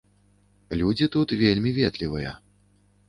Людзі тут вельмі ветлівыя.